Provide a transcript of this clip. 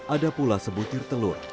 ada pula sebutir telur